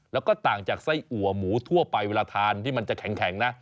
แล้วก็ต่างจากไส้อัวหมูทั่วไปเวลาทานที่มันจะแข็งนะ